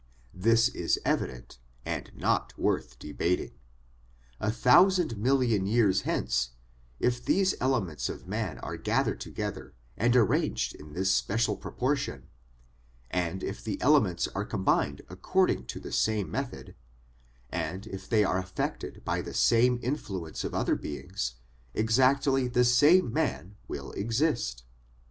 This is evident and not worth debating. A thousand million 208 SOME ANSWERED QUESTIONS years hence, if these elements of man are gathered together and arranged in this special proportion, and if the elements are combined according to the same method, and if they are affected by the same influence of other beings, exactly the same man will exist.